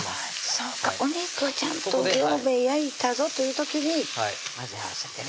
そうかお肉をちゃんと表面焼いたぞという時に混ぜ合わせてね